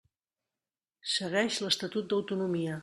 Segueix l'Estatut d'autonomia.